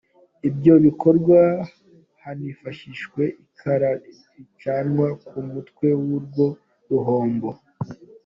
Ibyo bikorwa hanifashishijwe ikara ricanwa ku mutwe w’urwo ruhombo.